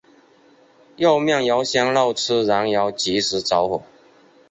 右面油箱漏出燃油即时着火。